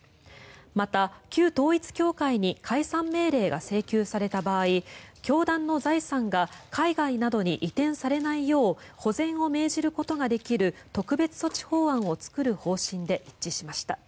また、旧統一教会に解散命令が請求された場合教団の財産が海外などに移転されないよう保全を命じることができる特別措置法案を作る方針で一致しました。